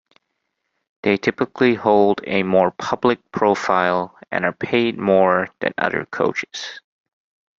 They typically hold a more public profile and are paid more than other coaches.